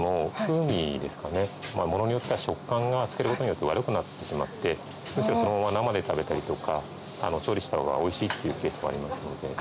ものによっては食感が漬けることによって悪くなってしまってむしろそのまま生で食べたりとか調理したほうがおいしいっていうケースもありますので。